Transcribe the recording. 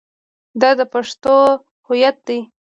دا د پښتنو هویت دی.